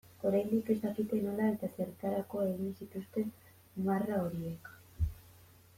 Oraindik ez dakite nola eta zertarako egin zituzten marra horiek.